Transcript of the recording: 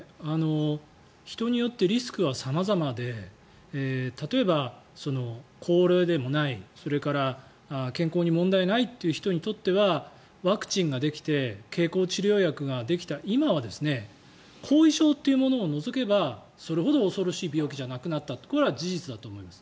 人によってリスクは様々で例えば、高齢でもないそれから健康に問題ないという人にとってはワクチンができて経口治療薬ができた今は後遺症というものを除けばそれほど恐ろしい病気じゃなくなったというのはこれは事実だと思います。